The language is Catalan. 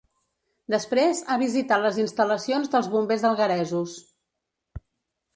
Després, ha visitat les instal·lacions dels bombers algueresos.